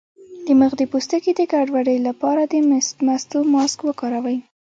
د مخ د پوستکي د ګډوډۍ لپاره د مستو ماسک وکاروئ